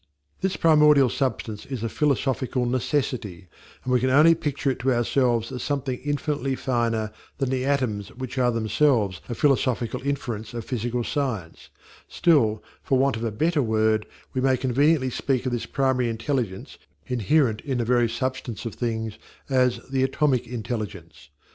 This primordial substance is a philosophical necessity, and we can only picture it to ourselves as something infinitely finer than the atoms which are themselves a philosophical inference of physical science: still, for want of a better word, we may conveniently speak of this primary intelligence inherent in the very substance of things as the Atomic Intelligence.